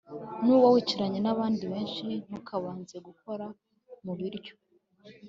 nuba wicaranye n'abandi benshi ntukabanze gukora mu biryo